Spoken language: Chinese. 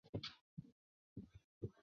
蜍蝽为蜍蝽科蜍蝽属下的一个种。